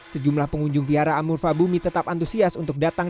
sejumlah pengunjung fihara amur fahbumi tetap antusias untuk datang